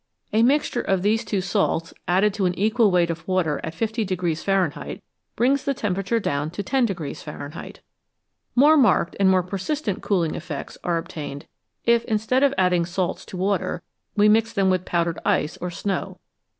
A mixture of these two salts, added to an equal weight of water at 50 Fahrenheit, brings the temperature down to 10 Fahrenheit. More marked and more persistent cooling effects are obtained, if, instead of adding salts to water, we mix them with powdered ice or snow.